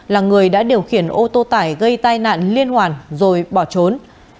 là người đã điều khiển ô tô tải gây tai nạn liên hoàn rồi bỏ trốn